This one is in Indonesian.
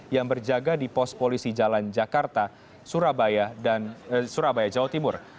yang berjaga di pos polisi jalan jakarta surabaya dan surabaya jawa timur